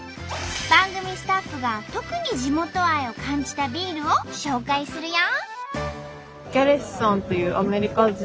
番組スタッフが特に地元愛を感じたビールを紹介するよ！